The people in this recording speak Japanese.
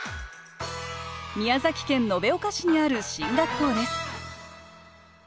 宮崎県延岡市にある進学校です